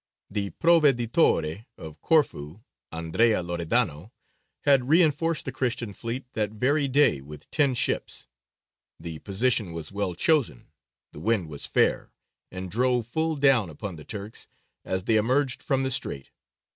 The Proveditore of Corfu, Andrea Loredano, had reinforced the Christian fleet that very day with ten ships; the position was well chosen; the wind was fair, and drove full down upon the Turks as they emerged from the strait.